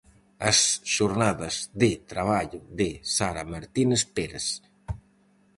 As xornadas de traballo de Sara Martínez Pérez.